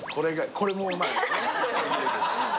これもうまい。